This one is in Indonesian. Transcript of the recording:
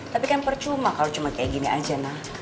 tapi kan percuma kalo cuma kayak gini aja nah